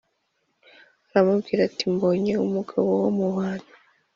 aramubwira ati Mbonye umugabo wo mu bantu